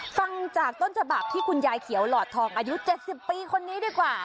ฟังจากต้นฉบับที่คุณยายเขียวหลอดทองอายุ๗๐ปีคนนี้ดีกว่า